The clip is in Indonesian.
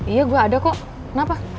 iya gue ada kok kenapa